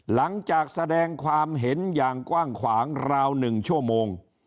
แสดงความเห็นอย่างกว้างขวางราว๑ชั่วโมง